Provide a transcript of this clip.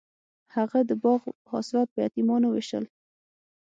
هغه د باغ حاصلات په یتیمانو ویشل.